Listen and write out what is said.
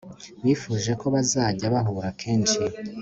bifuje ko bazajya bahura kenshi